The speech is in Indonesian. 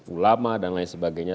ulama dan lain sebagainya